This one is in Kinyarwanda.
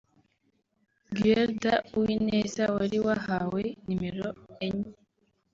Guelda Uwineza wari wahawe nimero enye